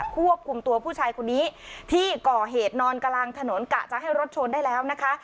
ควบคุมตัวผู้ชายคนนี้ที่ก่อเหตุนอนกลางถนนกะจะให้รถชนได้แล้วนะคะ